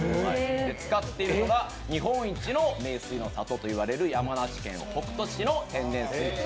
使っているのは日本一の名水の里と言われる山梨県北杜市の天然水。